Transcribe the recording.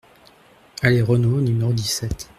Allée Renault au numéro dix-sept